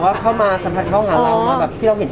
แต่จริงแล้วเขาก็ไม่ได้กลิ่นกันว่าถ้าเราจะมีเพลงไทยก็ได้